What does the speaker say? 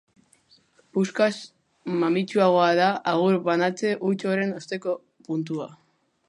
Puskaz mamitsuagoa da agur banatze huts horren osteko puntua.